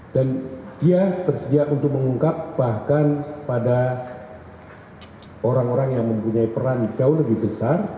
dan dia bersedia untuk mengungkap bahkan pada orang orang yang mempunyai peran jauh lebih besar